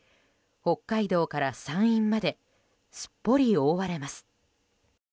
北海道から山陰まですっぽり覆われます。